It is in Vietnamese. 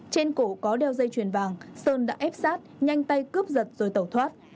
trên cổ có đeo dây chuyền vàng sơn đã ép sát nhanh tay cướp giật rồi tẩu thoát